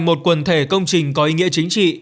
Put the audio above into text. một quần thể công trình có ý nghĩa chính trị